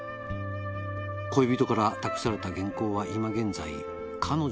「恋人から託された原稿は今現在彼女だけのものだ」